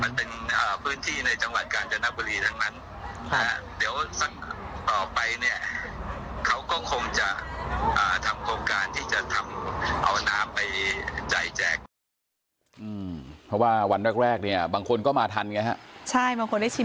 มันเป็นพื้นที่ในจังหวัดกาญจนบุรีทั้งนั้น